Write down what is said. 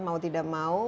mau tidak mau